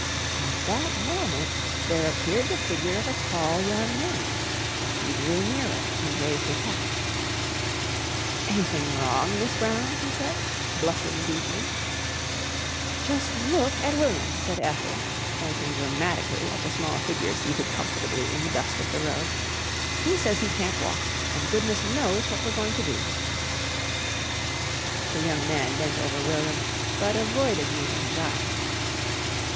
At that moment there appeared the figure of a tall young man. He drew nearer and raised his hat. "Anything wrong, Miss Brown?" he said, blushing deeply. "Just look at William!" said Ethel, pointing dramatically at the small figure seated comfortably in the dust of the road. "He says he can't walk, and goodness knows what we're going to do." The young man bent over William, but avoided meeting his eyes.